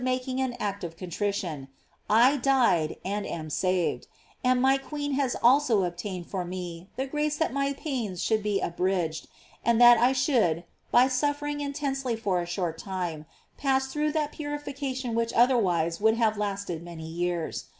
37 making an act of contrition; I died and am saved, and my queen has also obtained for me the grace that my pains should be abridged, and that I should, by suffering intensely for a short time, pass through that purification which otherwise would have lasted many years.